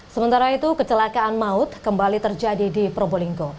sementara itu kecelakaan maut kembali terjadi di probolinggo